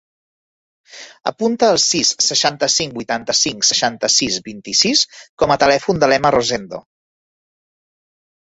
Apunta el sis, seixanta-cinc, vuitanta-cinc, seixanta-sis, vint-i-sis com a telèfon de l'Emma Rosendo.